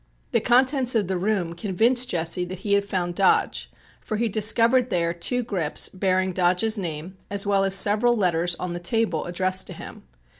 The contents of the room convinced Jesse that he had found Dodge, for he discovered there two grips bearing Dodge's name as well as several letters on the table addressed to him.